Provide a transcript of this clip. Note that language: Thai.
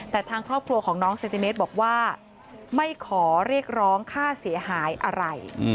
แต่ทางครอบครัวของน้องเซนติเมตรบอกว่าไม่ขอเรียกร้องค่าเสียหายอะไร